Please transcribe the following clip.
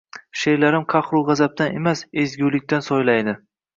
Sheʼrlarim qahru gʻazabdan emas, ezgulikdan soʻylaydi